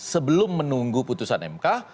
sebelum menunggu putusan mk